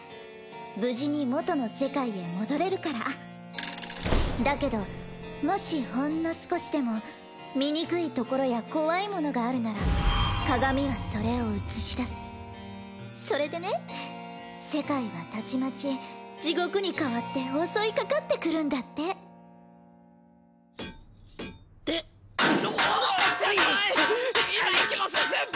無事に元の世界へ戻れるからだけどもしほんの少しでも醜いところや怖いものがあるなら鏡はそれを映し出すそれでね世界はたちまち地獄に変わって襲いかかってくるんだってってうおお先輩